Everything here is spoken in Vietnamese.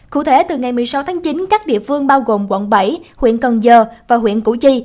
cụ thể từ ngày một mươi sáu tháng chín các địa phương bao gồm quận bảy huyện cần giờ và huyện củ chi